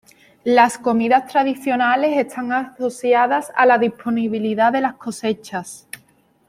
Las comidas tradicionales están asociadas a la disponibilidad de las cosechas.